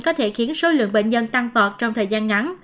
có thể khiến số lượng bệnh nhân tăng vọt trong thời gian ngắn